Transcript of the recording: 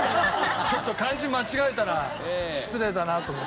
ちょっと漢字間違えたら失礼だなと思って。